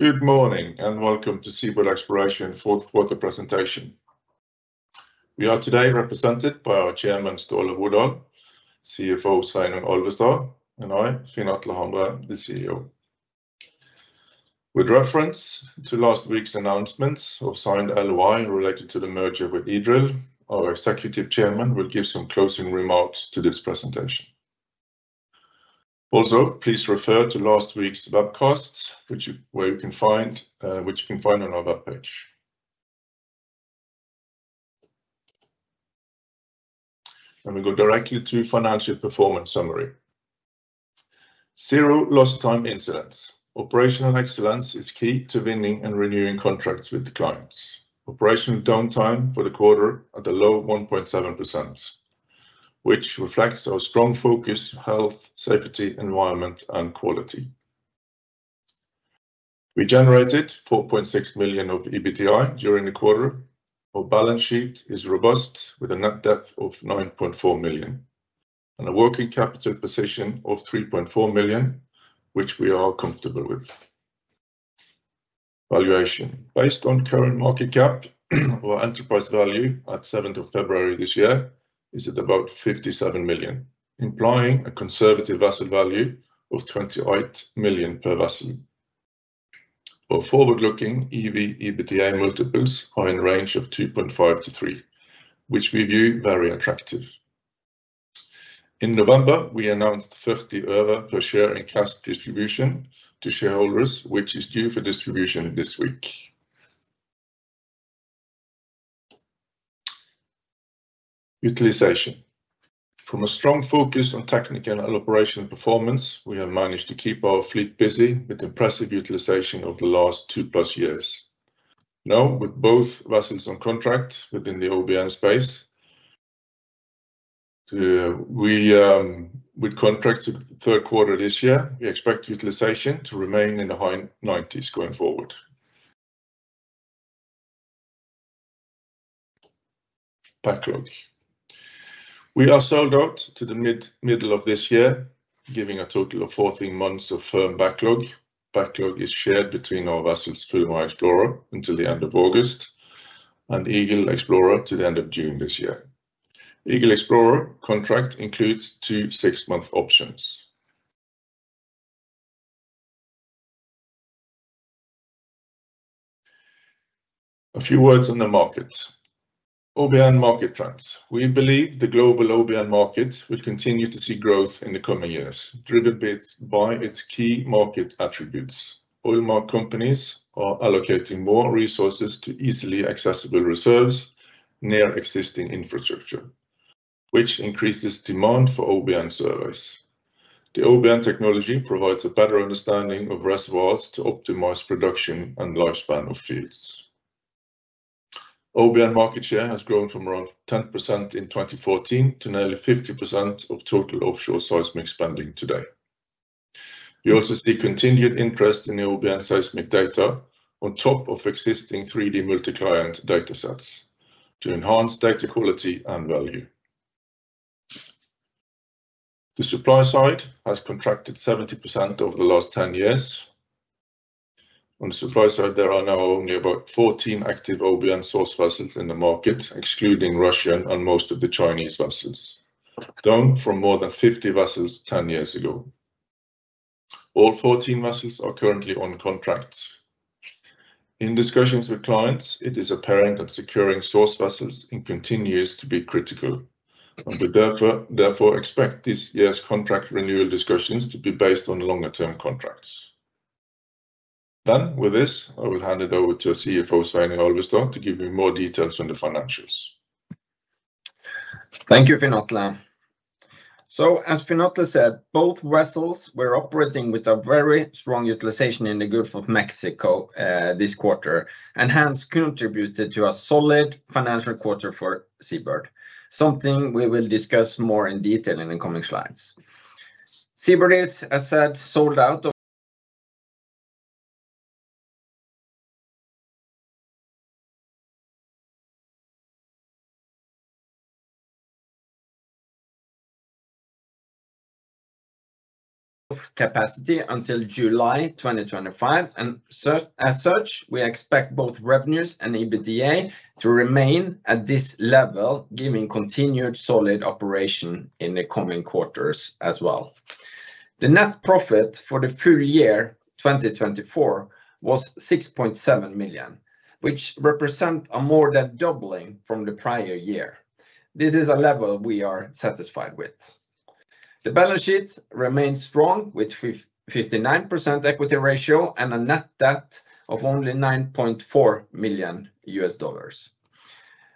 Good morning and welcome to SeaBird Exploration's fourth quarter presentation. We are today represented by our Chairman, Ståle Rodahl, CFO Sveinung Alvestad, and I, Finn Atle Hamre, the CEO. With reference to last week's announcements of signed LOI related to the merger with EDrill, our Executive Chairman will give some closing remarks to this presentation. Also, please refer to last week's webcasts, which you can find on our webpage. Let me go directly to financial performance summary. Zero lost time incidents. Operational excellence is key to winning and renewing contracts with the clients. Operational downtime for the quarter at a low 1.7%, which reflects our strong focus on health, safety, environment, and quality. We generated $4.6 million of EBITDA during the quarter. Our balance sheet is robust with a net debt of $9.4 million and a working capital position of $3.4 million, which we are comfortable with. Valuation: based on current market cap, our enterprise value at 7th of February this year is at about $57 million, implying a conservative asset value of $28 million per vessel. Our forward-looking EV/EBITDA multiples are in a range of 2.5-3, which we view very attractive. In November, we announced NOK 0.3 per share in cash distribution to shareholders, which is due for distribution this week. Utilization: from a strong focus on technical and operational performance, we have managed to keep our fleet busy with impressive utilization over the last two plus years. Now, with both vessels on contract within the OBN space, we with contracts third quarter this year, we expect utilization to remain in the high 90% going forward. Backlog: we are sold out to the middle of this year, giving a total of 14 months of firm backlog. Backlog is shared between our vessels, Fulmar Explorer until the end of August and Eagle Explorer to the end of June this year. Eagle Explorer contract includes two six-month options. A few words on the market: OBN market trends. We believe the global OBN market will continue to see growth in the coming years, driven by its key market attributes. Oil market companies are allocating more resources to easily accessible reserves near existing infrastructure, which increases demand for OBN service. The OBN technology provides a better understanding of reservoirs to optimize production and lifespan of fields. OBN market share has grown from around 10% in 2014 to nearly 50% of total offshore seismic spending today. We also see continued interest in the OBN seismic data on top of existing 3D multi-client data sets to enhance data quality and value. The supply side has contracted 70% over the last 10 years. On the supply side, there are now only about 14 active OBN source vessels in the market, excluding Russian and most of the Chinese vessels, down from more than 50 vessels 10 years ago. All 14 vessels are currently on contracts. In discussions with clients, it is apparent that securing source vessels continues to be critical, and we therefore expect this year's contract renewal discussions to be based on longer-term contracts. With this, I will hand it over to our CFO, Sveinung Alvestad, to give you more details on the financials. Thank you, Finn Atle. As Finn Atle said, both vessels were operating with very strong utilization in the Gulf of Mexico this quarter, and hence contributed to a solid financial quarter for SeaBird, something we will discuss more in detail in the coming slides. SeaBird is, as said, sold out of capacity until July 2025, and as such, we expect both revenues and EBITDA to remain at this level, giving continued solid operation in the coming quarters as well. The net profit for the full year 2024 was $6.7 million, which represents a more than doubling from the prior year. This is a level we are satisfied with. The balance sheet remains strong with a 59% equity ratio and a net debt of only $9.4 million.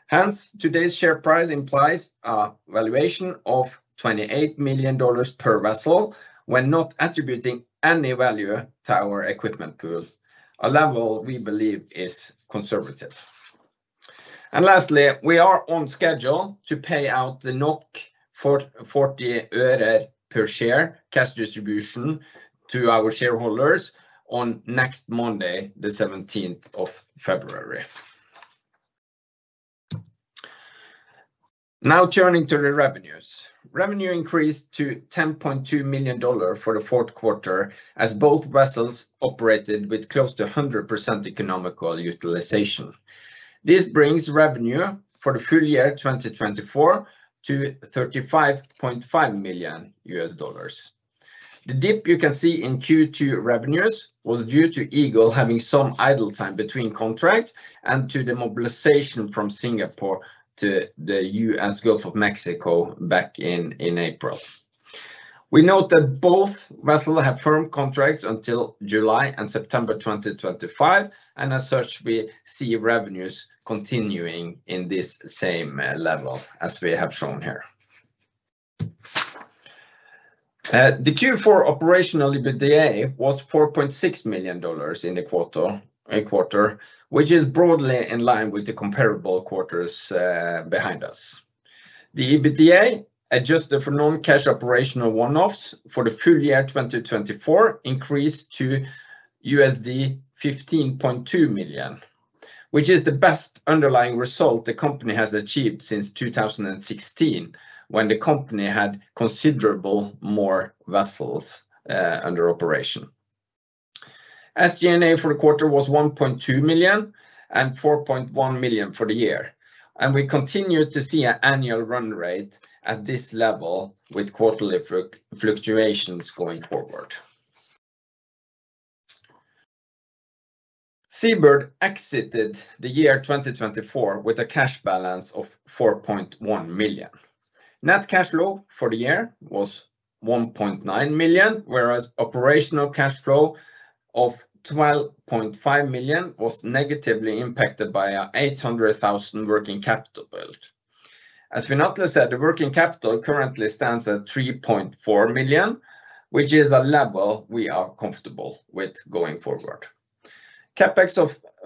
Hence, today's share price implies a valuation of $28 million per vessel when not attributing any value to our equipment pool, a level we believe is conservative. Lastly, we are on schedule to pay out the NOK 0.4 per share cash distribution to our shareholders on next Monday, the 17th of February. Now turning to the revenues, revenue increased to $10.2 million for the fourth quarter as both vessels operated with close to 100% economical utilization. This brings revenue for the full year 2024 to $35.5 million. The dip you can see in Q2 revenues was due to Eagle having some idle time between contracts and to the mobilization from Singapore to the U.S. Gulf of Mexico back in April. We note that both vessels have firm contracts until July and September 2025, and as such, we see revenues continuing in this same level as we have shown here. The Q4 operational EBITDA was $4.6 million in the quarter, which is broadly in line with the comparable quarters behind us. The EBITDA adjusted for non-cash operational one-offs for the full year 2024 increased to $15.2 million, which is the best underlying result the company has achieved since 2016 when the company had considerably more vessels under operation. SG&A for the quarter was $1.2 million and $4.1 million for the year, and we continue to see an annual run rate at this level with quarterly fluctuations going forward. SeaBird exited the year 2024 with a cash balance of $4.1 million. Net cash flow for the year was $1.9 million, whereas operational cash flow of $12.5 million was negatively impacted by an $800,000 working capital build. As Finn Atle Hamre said, the working capital currently stands at $3.4 million, which is a level we are comfortable with going forward. CapEx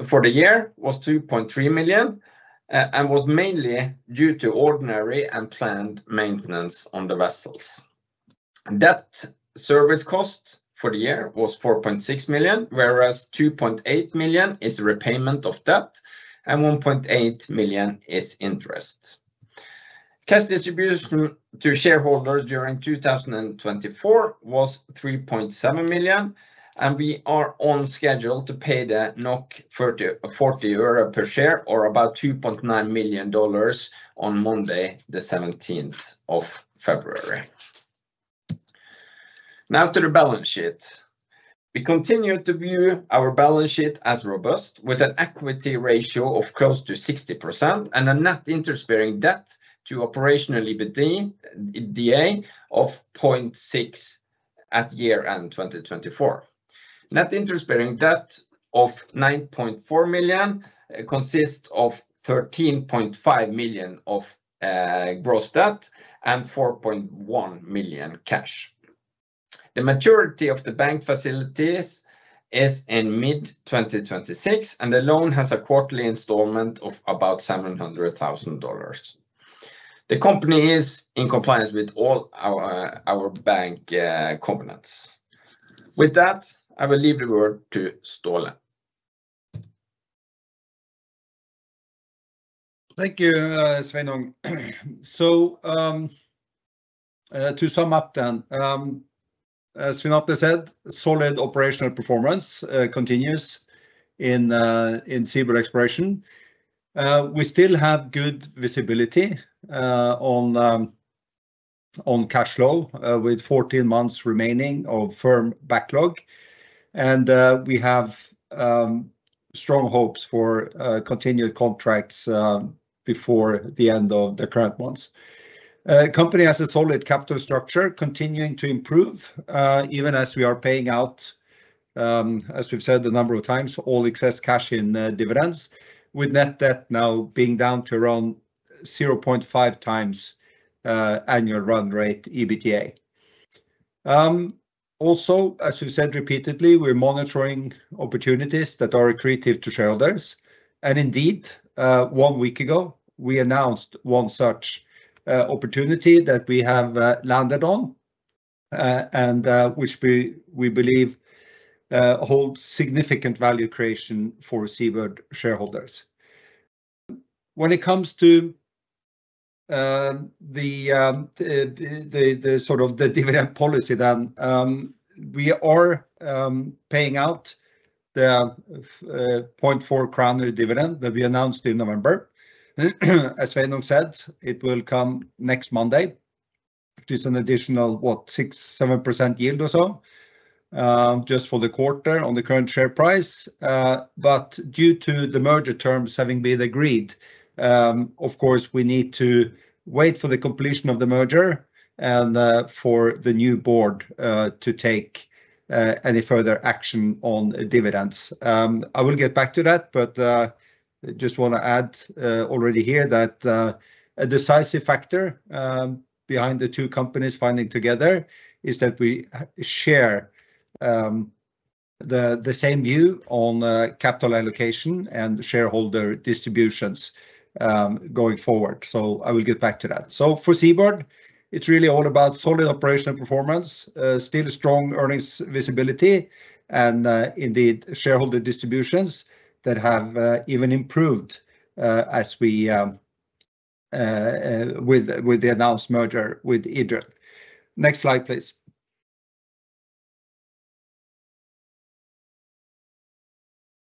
for the year was $2.3 million and was mainly due to ordinary and planned maintenance on the vessels. Debt service cost for the year was $4.6 million, whereas $2.8 million is repayment of debt and $1.8 million is interest. Cash distribution to shareholders during 2024 was $3.7 million, and we are on schedule to pay the 40 per share, or about $2.9 million, on Monday, the 17th of February. Now to the balance sheet. We continue to view our balance sheet as robust with an equity ratio of close to 60% and a net interest-bearing debt to operational EBITDA of 0.6 at year-end 2024. Net interest-bearing debt of $9.4 million consists of $13.5 million of gross debt and $4.1 million cash. The maturity of the bank facilities is in mid-2026, and the loan has a quarterly installment of about $700,000. The company is in compliance with all our bank components. With that, I will leave the word to Ståle. Thank you, Sveinung. To sum up then, as Finn Atle said, solid operational performance continues in SeaBird Exploration. We still have good visibility on cash flow with 14 months remaining of firm backlog, and we have strong hopes for continued contracts before the end of the current months. The company has a solid capital structure continuing to improve even as we are paying out, as we've said a number of times, all excess cash in dividends, with net debt now being down to around 0.5x annual run rate EBITDA. Also, as we've said repeatedly, we're monitoring opportunities that are accretive to shareholders, and indeed, one week ago, we announced one such opportunity that we have landed on, and which we believe holds significant value creation for SeaBird shareholders. When it comes to the sort of the dividend policy then, we are paying out the 0.4 crown dividend that we announced in November. As Sveinung said, it will come next Monday, which is an additional, what, 6%-7% yield or so just for the quarter on the current share price. Due to the merger terms having been agreed, of course, we need to wait for the completion of the merger and for the new board to take any further action on dividends. I will get back to that, but I just want to add already here that a decisive factor behind the two companies finding together is that we share the same view on capital allocation and shareholder distributions going forward. I will get back to that. For SeaBird, it's really all about solid operational performance, still strong earnings visibility, and indeed shareholder distributions that have even improved with the announced merger with EDrill. Next slide, please.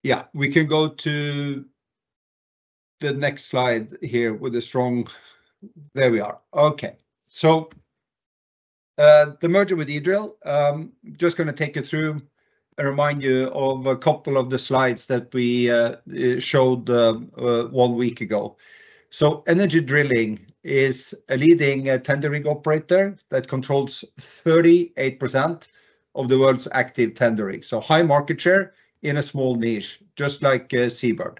Yeah, we can go to the next slide here with a strong. There we are. Okay, the merger with EDrill, I'm just going to take you through and remind you of a couple of the slides that we showed one week ago. Energy Drilling is a leading tendering operator that controls 38% of the world's active tendering. High market share in a small niche, just like SeaBird.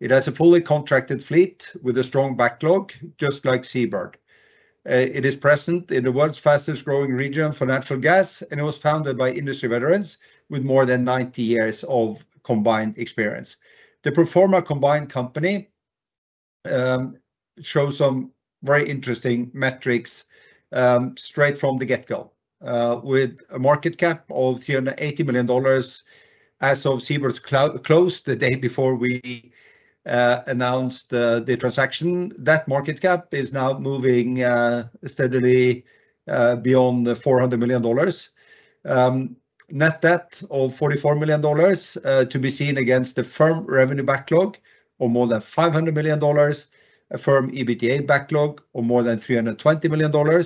It has a fully contracted fleet with a strong backlog, just like SeaBird. It is present in the world's fastest growing region for natural gas, and it was founded by industry veterans with more than 90 years of combined experience. The Proforma Combined Company shows some very interesting metrics straight from the get-go, with a market cap of $380 million as of SeaBird's close the day before we announced the transaction. That market cap is now moving steadily beyond $400 million. Net debt of $44 million to be seen against the firm revenue backlog of more than $500 million, a firm EBITDA backlog of more than $320 million,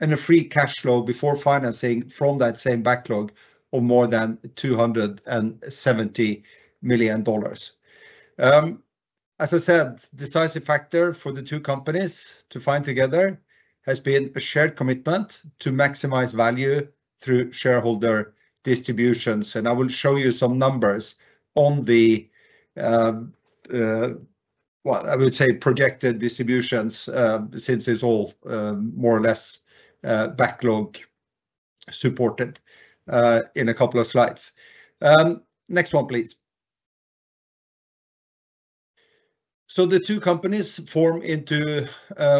and a free cash flow before financing from that same backlog of more than $270 million. As I said, the decisive factor for the two companies to find together has been a shared commitment to maximize value through shareholder distributions. I will show you some numbers on the, well, I would say projected distributions since it's all more or less backlog supported in a couple of slides. Next one, please. The two companies form into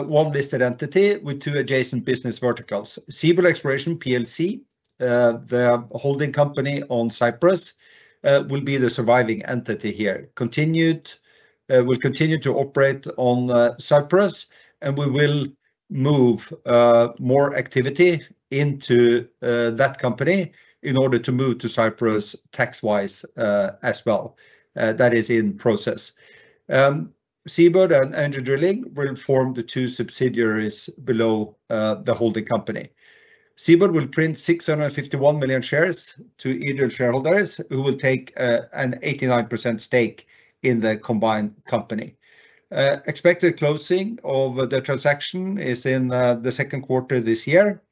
one listed entity with two adjacent business verticals. SeaBird Exploration, the holding company on Cyprus, will be the surviving entity here. We'll continue to operate on Cyprus, and we will move more activity into that company in order to move to Cyprus tax-wise as well. That is in process. SeaBird and Energy Drilling will form the two subsidiaries below the holding company. SeaBird will print 651 million shares to EDrill shareholders, who will take an 89% stake in the combined company. Expected closing of the transaction is in the second quarter this year,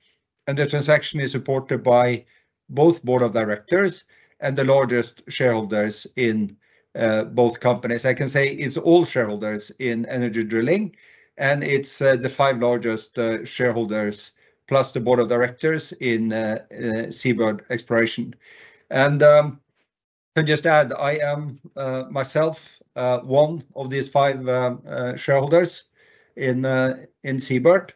and the transaction is supported by both Board of Directors and the largest shareholders in both companies. I can say it's all shareholders in Energy Drilling, and it's the five largest shareholders plus the Board of Directors in SeaBird Exploration. I can just add, I am myself one of these five shareholders in SeaBird,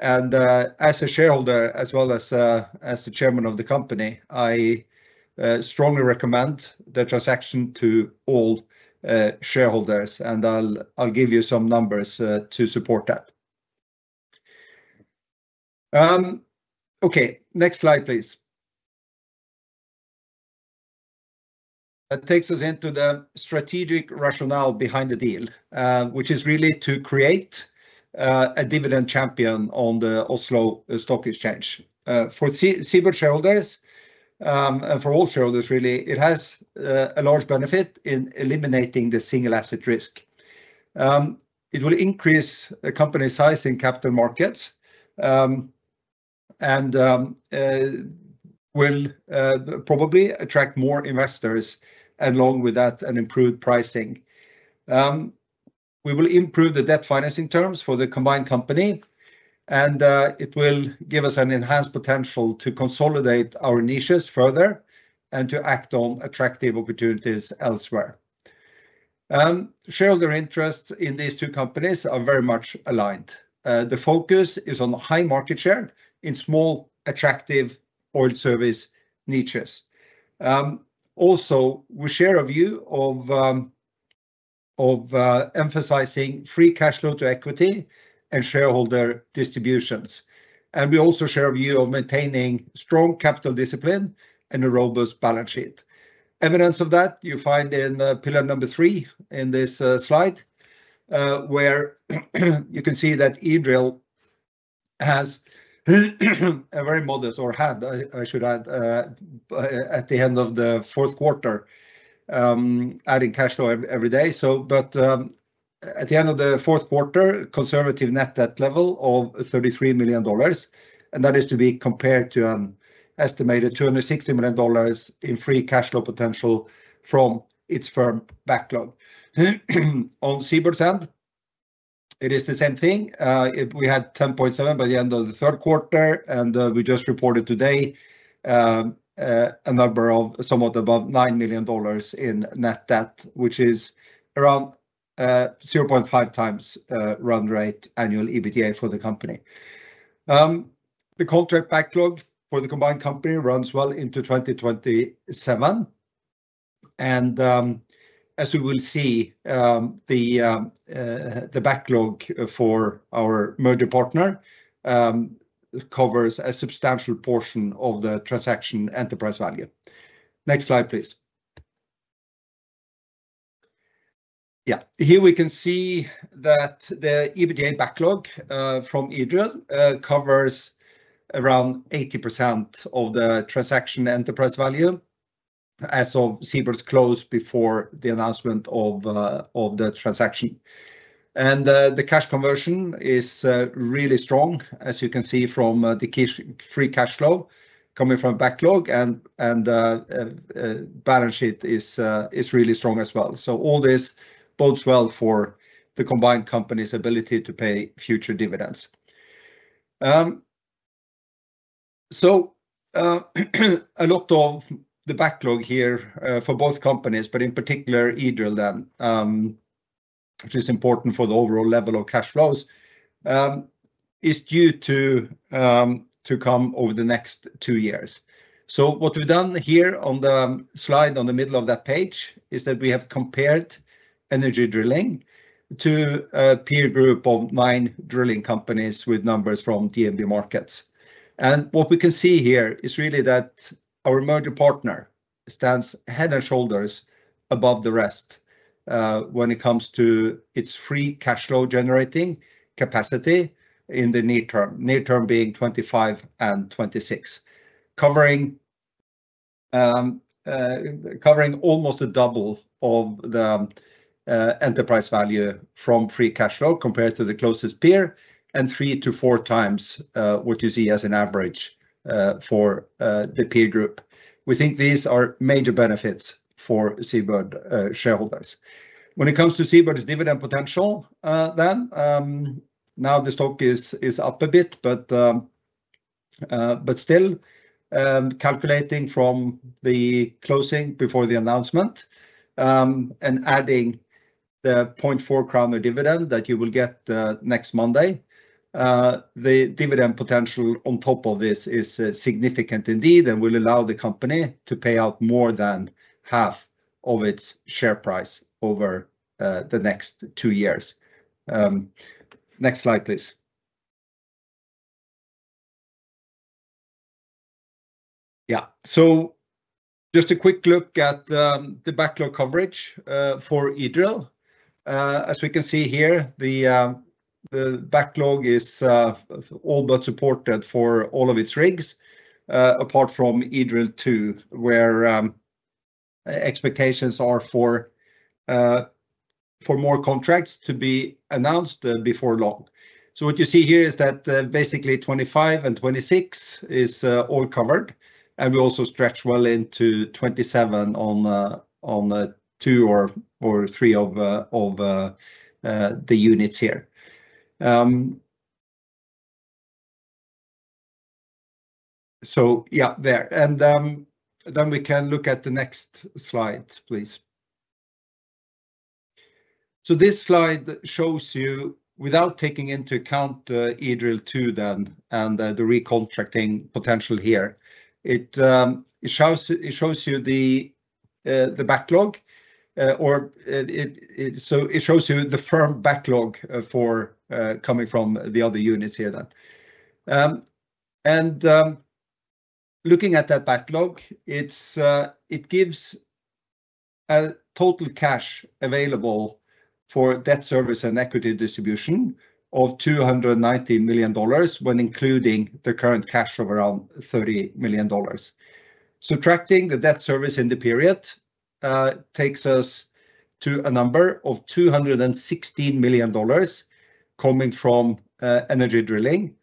and as a shareholder, as well as as the Chairman of the company, I strongly recommend the transaction to all shareholders, and I'll give you some numbers to support that. Okay, next slide, please. That takes us into the strategic rationale behind the deal, which is really to create a dividend champion on the Oslo Stock Exchange. For Seabird shareholders and for all shareholders, really, it has a large benefit in eliminating the single asset risk. It will increase the company's size in capital markets and will probably attract more investors along with that and improve pricing. We will improve the debt financing terms for the combined company, and it will give us an enhanced potential to consolidate our niches further and to act on attractive opportunities elsewhere. Shareholder interests in these two companies are very much aligned. The focus is on high market share in small attractive oil service niches. Also, we share a view of emphasizing free cash flow to equity and shareholder distributions, and we also share a view of maintaining strong capital discipline and a robust balance sheet. Evidence of that you find in pillar number three in this slide, where you can see that EDrill has a very modest, or had, I should add, at the end of the fourth quarter, adding cash flow every day. At the end of the fourth quarter, conservative net debt level of $33 million, and that is to be compared to an estimated $260 million in free cash flow potential from its firm backlog. On SeaBird's end, it is the same thing. We had $10.7 million by the end of the third quarter, and we just reported today a number of somewhat above $9 million in net debt, which is around 0.5x run rate annual EBITDA for the company. The contract backlog for the combined company runs well into 2027, and as we will see, the backlog for our merger partner covers a substantial portion of the transaction enterprise value. Next slide, please. Here we can see that the EBITDA backlog from EDrill covers around 80% of the transaction enterprise value as of SeaBird's close before the announcement of the transaction. The cash conversion is really strong, as you can see from the free cash flow coming from backlog, and the balance sheet is really strong as well. All this bodes well for the combined company's ability to pay future dividends. A lot of the backlog here for both companies, but in particular EDrill then, which is important for the overall level of cash flows, is due to come over the next two years. What we've done here on the slide on the middle of that page is that we have compared Energy Drilling to a peer group of nine drilling companies with numbers from DNB Markets. What we can see here is really that our merger partner stands head and shoulders above the rest when it comes to its free cash flow generating capacity in the near term, near term being 2025 and 2026, covering almost a double of the enterprise value from free cash flow compared to the closest peer and three to four times what you see as an average for the peer group. We think these are major benefits for SeaBird shareholders. When it comes to SeaBird's dividend potential then, now the stock is up a bit, but still calculating from the closing before the announcement and adding the 0.4 crown dividend that you will get next Monday, the dividend potential on top of this is significant indeed and will allow the company to pay out more than half of its share price over the next two years. Next slide, please. Yeah, just a quick look at the backlog coverage for EDrill. As we can see here, the backlog is all but supported for all of its rigs apart from EDrill-2, where expectations are for more contracts to be announced before long. What you see here is that basically 2025 and 2026 is all covered, and we also stretch well into 2027 on two or three of the units here. Yeah, there. We can look at the next slide, please. This slide shows you, without taking into account EDrill-2 and the recontracting potential here, it shows you the backlog, or it shows you the firm backlog coming from the other units here. Looking at that backlog, it gives a total cash available for debt service and equity distribution of $290 million when including the current cash of around $30 million. Subtracting the debt service in the period takes us to a number of $216 million coming from Energy Drilling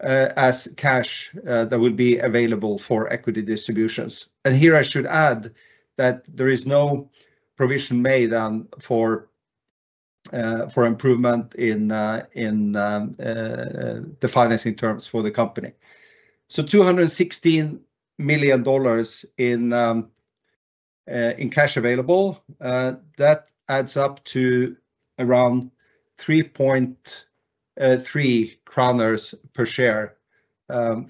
as cash that would be available for equity distributions. Here, I should add that there is no provision made for improvement in the financing terms for the company. So $216 million in cash available, that adds up to around NOK 3.3 per share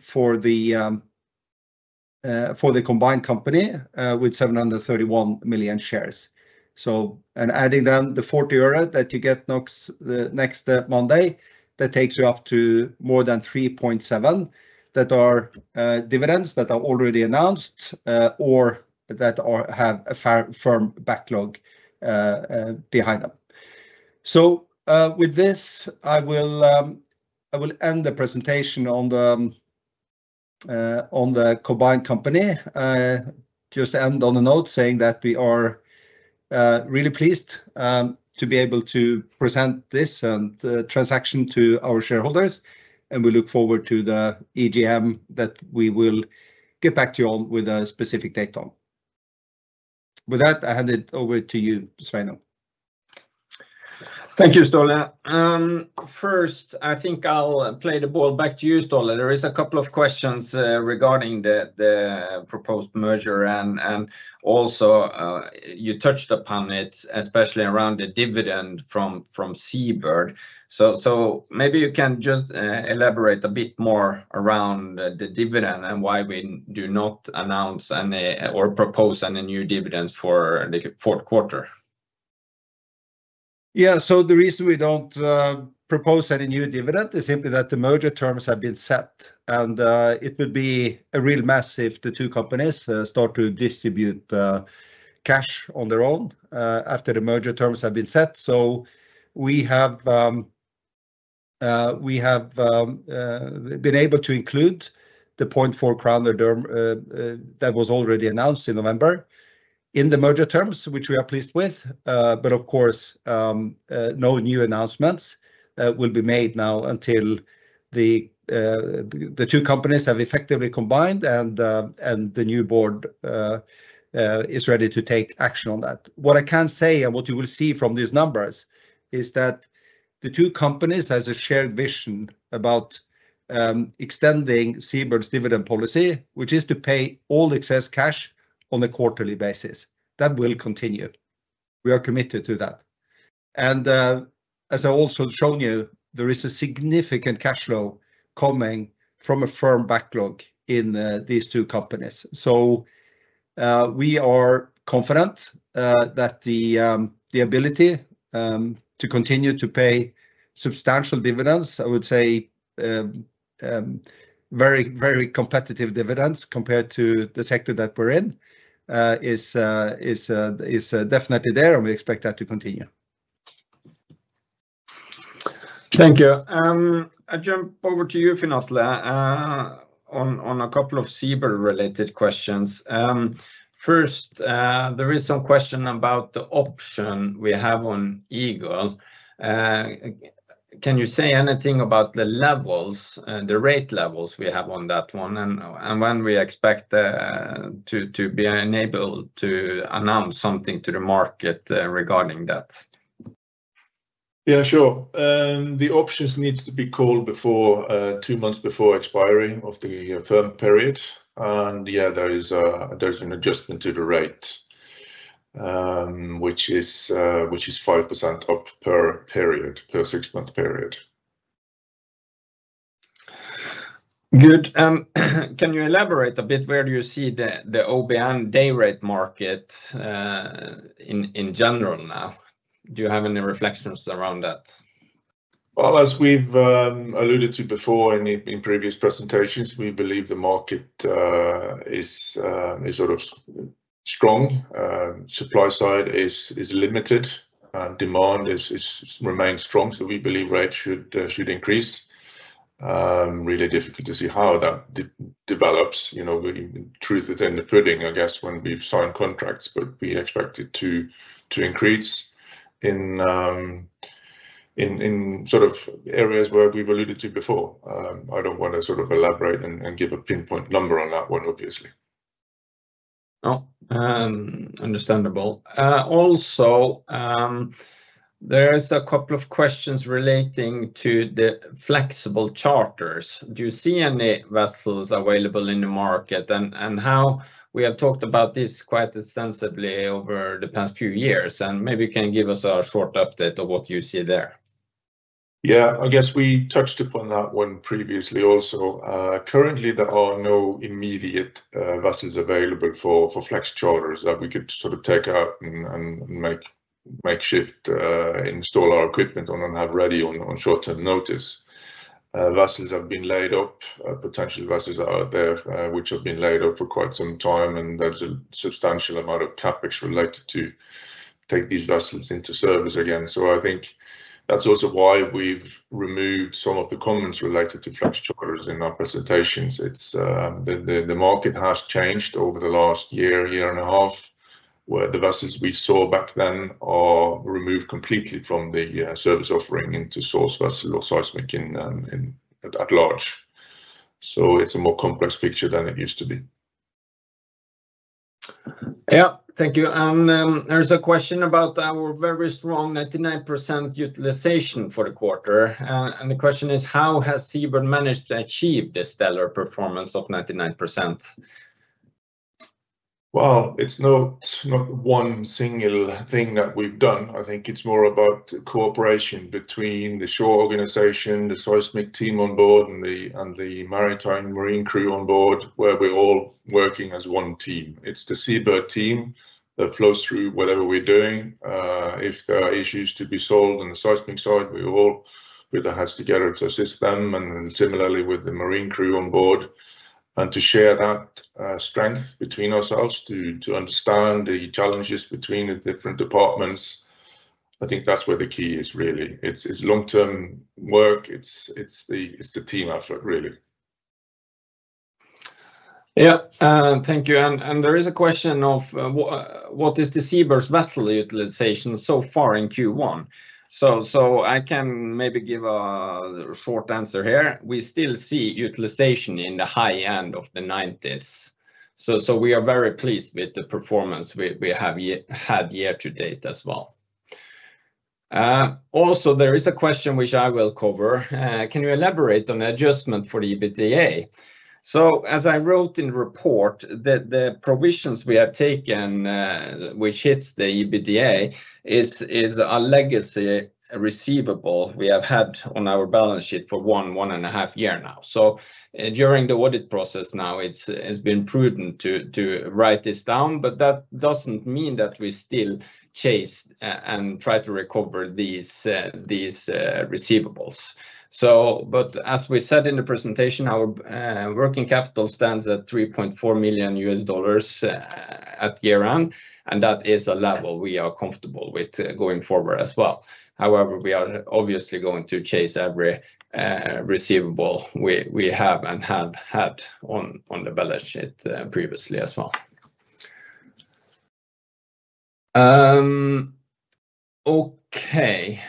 for the combined company with 731 million shares. Adding then the EUR 0.40 that you get next Monday, that takes you up to more than 3.7 that are dividends that are already announced or that have a firm backlog behind them. With this, I will end the presentation on the combined company. Just to end on a note saying that we are really pleased to be able to present this transaction to our shareholders, and we look forward to the EGM that we will get back to you on with a specific date. With that, I hand it over to you, Sveinung. Thank you, Ståle. First, I think I'll play the ball back to you, Ståle. There is a couple of questions regarding the proposed merger, and also you touched upon it, especially around the dividend from SeaBird. Maybe you can just elaborate a bit more around the dividend and why we do not announce any or propose any new dividends for the fourth quarter. Yeah, the reason we don't propose any new dividend is simply that the merger terms have been set, and it would be a real mess if the two companies start to distribute cash on their own after the merger terms have been set. We have been able to include the 0.4 crown that was already announced in November in the merger terms, which we are pleased with, but of course, no new announcements will be made now until the two companies have effectively combined and the new board is ready to take action on that. What I can say and what you will see from these numbers is that the two companies have a shared vision about extending SeaBird's dividend policy, which is to pay all excess cash on a quarterly basis. That will continue. We are committed to that. As I also shown you, there is a significant cash flow coming from a firm backlog in these two companies. We are confident that the ability to continue to pay substantial dividends, I would say very, very competitive dividends compared to the sector that we're in, is definitely there, and we expect that to continue. Thank you. I jump over to you, Finn Atle Hamre, on a couple of SeaBird-related questions. First, there is some question about the option we have on Eagle. Can you say anything about the levels, the rate levels we have on that one, and when we expect to be enabled to announce something to the market regarding that? Yeah, sure. The options need to be called two months before expiry of the firm period, and yeah, there is an adjustment to the rate, which is 5% up per period, per six-month period. Good. Can you elaborate a bit where do you see the OBN day rate market in general now? Do you have any reflections around that? As we've alluded to before in previous presentations, we believe the market is sort of strong. Supply side is limited, and demand remains strong, so we believe rates should increase. Really difficult to see how that develops. Truth is in the pudding, I guess, when we've signed contracts, but we expect it to increase in sort of areas where we've alluded to before. I don't want to sort of elaborate and give a pinpoint number on that one, obviously. Understandable. Also, there is a couple of questions relating to the flexible charters. Do you see any vessels available in the market, and how we have talked about this quite extensively over the past few years, and maybe you can give us a short update of what you see there? Yeah, I guess we touched upon that one previously also. Currently, there are no immediate vessels available for flex charters that we could sort of take out and makeshift install our equipment on and have ready on short-term notice. Vessels have been laid up, potential vessels out there which have been laid up for quite some time, and there is a substantial amount of CapEx related to take these vessels into service again. I think that is also why we have removed some of the comments related to flex charters in our presentations. The market has changed over the last year, year and a half, where the vessels we saw back then are removed completely from the service offering into source vessel or seismic at large. It is a more complex picture than it used to be. Thank you. There is a question about our very strong 99% utilization for the quarter, and the question is, how has SeaBird managed to achieve this stellar performance of 99%? It is not one single thing that we have done. I think it's more about cooperation between the shore organization, the seismic team on board, and the maritime marine crew on board, where we're all working as one team. It's the SeaBird team that flows through whatever we're doing. If there are issues to be solved on the seismic side, we all put our heads together to assist them, and then similarly with the marine crew on board, and to share that strength between ourselves to understand the challenges between the different departments. I think that's where the key is, really. It's long-term work. It's the team effort, really. Yeah, thank you. There is a question of what is the SeaBird's vessel utilization so far in Q1? I can maybe give a short answer here. We still see utilization in the high end of the 90%. We are very pleased with the performance we have had year to date as well. Also, there is a question which I will cover. Can you elaborate on the adjustment for the EBITDA? As I wrote in the report, the provisions we have taken which hits the EBITDA is a legacy receivable we have had on our balance sheet for one, one and a half years now. During the audit process now, it has been prudent to write this down, but that does not mean that we still chase and try to recover these receivables. As we said in the presentation, our working capital stands at $3.4 million at year end, and that is a level we are comfortable with going forward as well. However, we are obviously going to chase every receivable we have and have had on the balance sheet previously as well. Okay.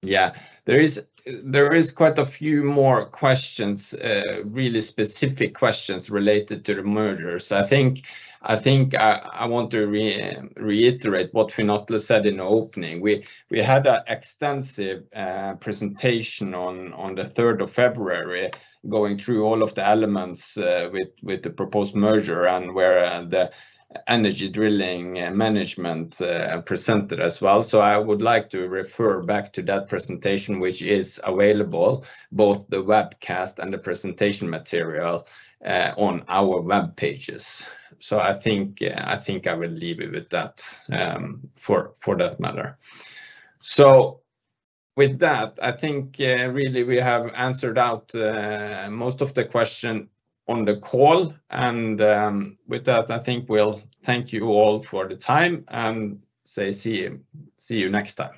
Yeah, there is quite a few more questions, really specific questions related to the mergers. I think I want to reiterate what Finn Atle Hamre said in the opening. We had an extensive presentation on the 3rd of February going through all of the elements with the proposed merger and where the Energy Drilling management presented as well. I would like to refer back to that presentation which is available, both the webcast and the presentation material on our web pages. I think I will leave it with that for that matter. With that, I think really we have answered out most of the questions on the call, and with that, I think we'll thank you all for the time and say see you next time.